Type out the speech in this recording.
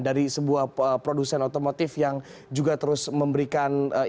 dari sebuah produsen otomotif yang juga terus memberikan informasi